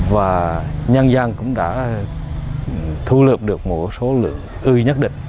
và nhân dân cũng đã thu lượm được một số lượng ươi nhất định